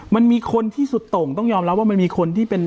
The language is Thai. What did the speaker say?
มันมีคนที่สุดโต่งต้องยอมรับว่ามันมีคนที่เป็น